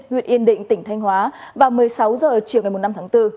huyện yên định tỉnh thanh hóa vào một mươi sáu h chiều ngày năm tháng bốn